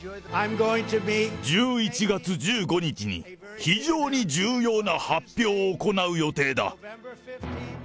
１１月１５日に非常に重要な発表を行う予定だ。